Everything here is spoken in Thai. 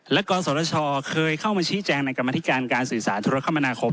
และกศชเคยเข้ามาชี้แจงในกรรมธิการการสื่อสารธุรกรรมนาคม